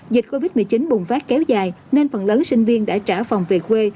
dịch covid một mươi chín bùng phát kéo dài nên phần lớn sinh viên đã trả phòng về quê